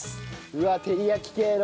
うわあ照り焼き系の。